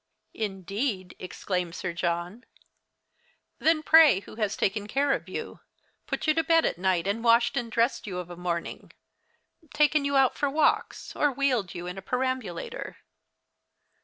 "Indeed?" exclaimed Sir John, "then pray who has taken care of you, put you to bed at night, and washed and dressed you of a morning, taken you out for walks, or wheeled you in a perambulator?"